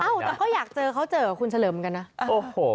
อ้าวแต่เขาอยากเจอเขาเจอคุณเฉลิมกันน่ะอ้โห